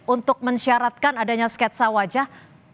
untuk mensyaratkan adanya sketsa wajah